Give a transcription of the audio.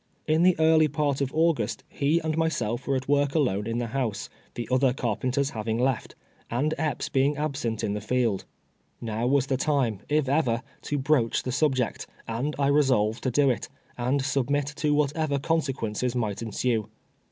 In the early part of August he and my self were at work alone in the house, the other car penters having left, and Epps being absent in the field. [N^ow was the time, if ever, to broach the sub ject, and I resolved to do it, and submit to whatever consequences might ensue.